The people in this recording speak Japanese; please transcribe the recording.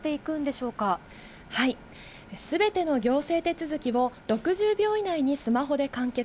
すべての行政手続きを６０秒以内にスマホで完結。